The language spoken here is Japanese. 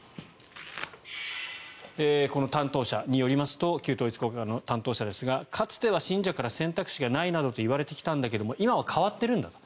この担当者によりますと旧統一教会の担当者ですがかつては信者から選択肢がないなどと言われてきたんだけども今は変わっているんだと。